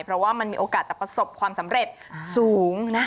เพราะว่ามันมีโอกาสจะประสบความสำเร็จสูงนะ